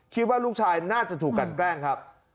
คิดว่าลูกชายน่าจะถูกกันแกล้งครับ